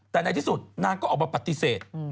แต่ในที่สุดนางก็ออกมาปฏิเสธ